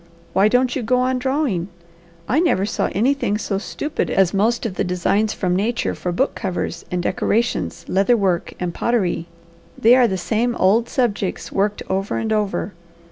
Why don't you go on drawing? I never saw anything so stupid as most of the designs from nature for book covers and decorations, leather work and pottery. They are the same old subjects worked over and over.